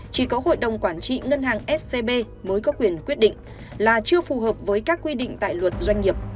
chỉ có hội đồng quản trị ngân hàng scb mới có quyền quyết định là chưa phù hợp với các quy định tại luật doanh nghiệp